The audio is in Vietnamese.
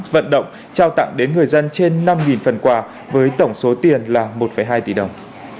vận động trao tặng đến người dân trên năm phần quà với tổng số tiền là một hai tỷ đồng